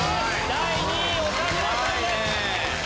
第２位岡村さんです！